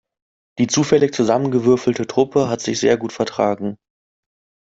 Die zufällig zusammengewürfelte Truppe hat sich sehr gut vertragen.